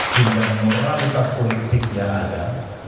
sehingga moralitas politik yang ada